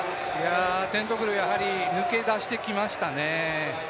テントグル、やはり抜け出してきましたね。